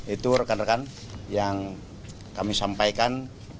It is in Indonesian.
itu rekan rekan yang kami sampaikan